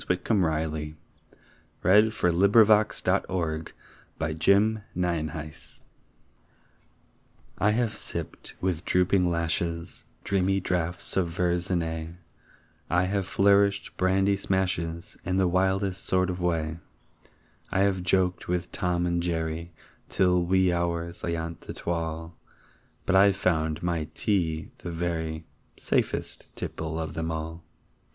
God! how the merest man loves one like that! A CUP OF TEA. I have sipped, with drooping lashes, Dreamy draughts of Verzenay; I have flourished brandy smashes In the wildest sort of way; I have joked with "Tom and Jerry" Till wee hours ayont the twal' But I've found my tea the very Safest tipple of them all!